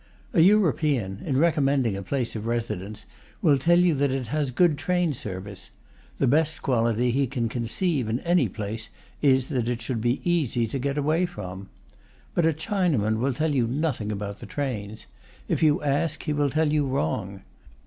A European, in recommending a place of residence, will tell you that it has a good train service; the best quality he can conceive in any place is that it should be easy to get away from. But a Chinaman will tell you nothing about the trains; if you ask, he will tell you wrong.